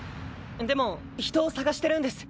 でも人を捜してるんです。